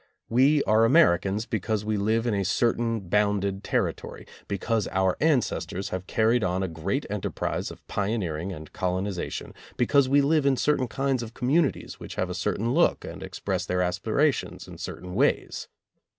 We are Americans because we live in a certain bounded territory, because our ancestors have carried on a great enterprise of pioneering and colonization, be cause we live in certain kinds of communities which have a certain look and express their aspira tions in certain ways.